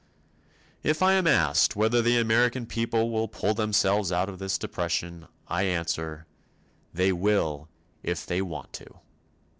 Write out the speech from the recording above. If I am asked whether the American people will pull themselves out of this depression, I answer, "They will if they want to."